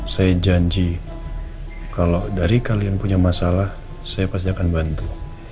saya janji kalau dari kalian punya masalah saya pasti akan bantu